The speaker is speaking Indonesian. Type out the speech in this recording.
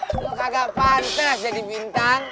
lo kagak pantes jadi bintang